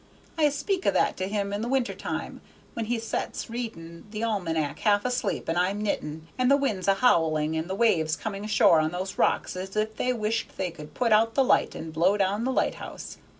I speak o' that to him in the winter time, when he sets reading the almanac half asleep and I'm knitting, and the wind's a' howling and the waves coming ashore on those rocks as if they wished they could put out the light and blow down the lighthouse.